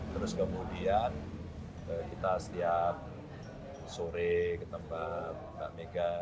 terus kemudian kita setiap sore ketemu mbak mega